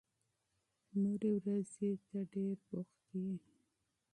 نورې ورځې ته ډېر بوخت يې.